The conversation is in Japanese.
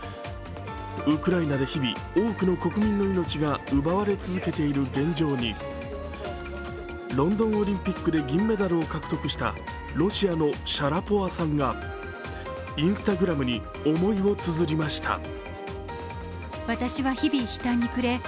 ウクライナで日々多くの国民の命が奪われ続けている現状にロンドンオリンピックで銀メダルを獲得したロシアのシャラポワさんがＩｎｓｔａｇｒａｍに思いをつづりました。